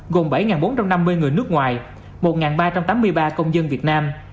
gồm bảy bốn trăm năm mươi người nước ngoài một ba trăm tám mươi ba công dân việt nam